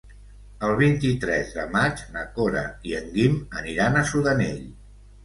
El vint-i-tres de maig na Cora i en Guim aniran a Sudanell.